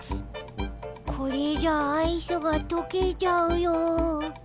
これじゃアイスがとけちゃうよ。